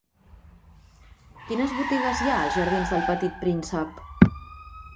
Quines botigues hi ha als jardins d'El Petit Príncep?